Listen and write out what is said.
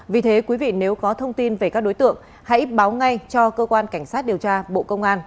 vì thế quý vị nếu có thông tin về các đối tượng hãy báo ngay cho cơ quan cảnh sát điều tra bộ công an